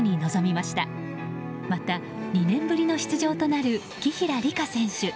また、２年ぶりの出場となる紀平梨花選手。